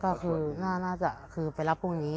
ก็คือน่าจะคือไปรับพรุ่งนี้